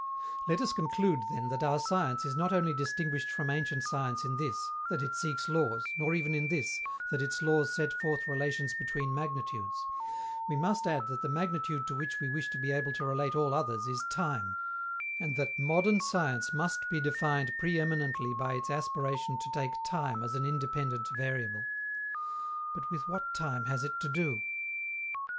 Let us conclude, then, that our science is not only distinguished from ancient science in this, that it seeks laws, nor even in this, that its laws set forth relations between magnitudes: we must add that the magnitude to which we wish to be able to relate all others is time, and that modern science must be defined pre eminently by its aspiration to take time as an independent variable. But with what time has it to do?